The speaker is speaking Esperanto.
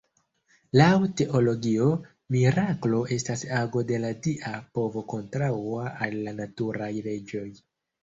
Laŭ Teologio, miraklo estas ago de la dia povo kontraŭa al la naturaj leĝoj.